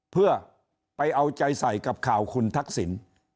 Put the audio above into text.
เพื่อไปเอาใจใส่กับข่าวคุณทักษิณ